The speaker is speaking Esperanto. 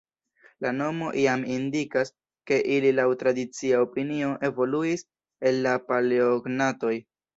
La nomo jam indikas, ke ili laŭ tradicia opinio evoluis el la Paleognatoj.